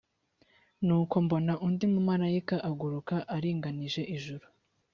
nuko mbona undi mumarayika aguruka aringanije ijuru